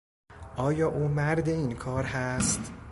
آیا او مرد این کار هست؟